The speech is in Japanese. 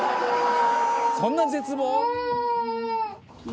「そんな絶望？」